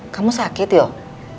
kamu sakit yuk